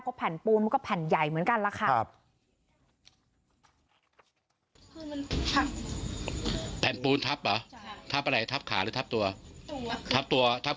เพราะว่าแผ่นปูนมันก็แผ่นใหญ่เหมือนกันแหละครับ